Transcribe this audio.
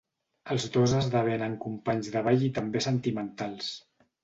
Els dos esdevenen companys de ball i també sentimentals.